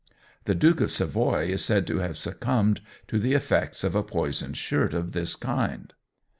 The Duke of Savoy is said to have succumbed to the effects of a poisoned shirt of this kind.